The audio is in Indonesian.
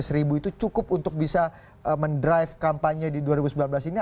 seratus ribu itu cukup untuk bisa mendrive kampanye di dua ribu sembilan belas ini